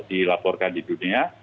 dilaporkan di dunia